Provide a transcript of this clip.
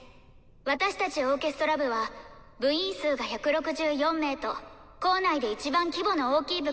私たちオーケストラ部は部員数が１６４名と校内でいちばん規模の大きい部活です。